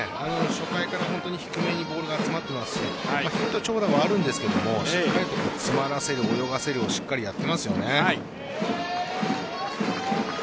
初回から低めにボールが集まってますしヒット、長打もあるんですけどもしっかりと詰まらせる泳がせるをしっかりやっていますよね。